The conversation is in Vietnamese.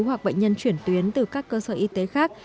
hoặc bệnh nhân chuyển tuyến từ các cơ sở y tế khác